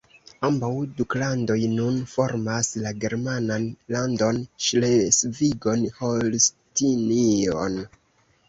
Ambaŭ duklandoj nun formas la germanan landon Ŝlesvigon-Holstinion.